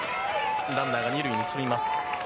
ランナー、２塁に進みます。